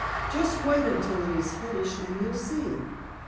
Just wait until it is finished and you'll see.